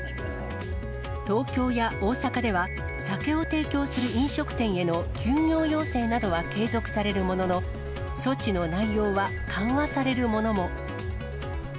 東京や大阪では、酒を提供する飲食店への休業要請などは継続されるものの、措置の内容は緩和されるものも。